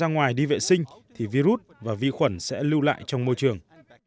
khi chúng ta ra ngoài đi vệ sinh thì virus và vi khuẩn sẽ lưu lại trong môi trường